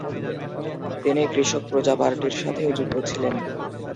তিনি কৃষক প্রজা পার্টির সাথেও যুক্ত ছিলেন।